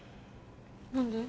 何で？